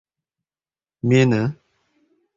— Meni